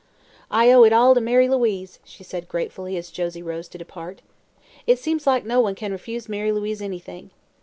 "I owe it all to Mary Louise," she said gratefully, as Josie rose to depart. "It seems like no one can refuse Mary Louise anything.